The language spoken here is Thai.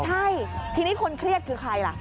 ใช่ทีนี้คนเครียดคือใครล่ะ